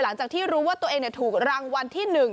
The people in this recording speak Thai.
หลังจากที่รู้ว่าตัวเองถูกรางวัลที่๑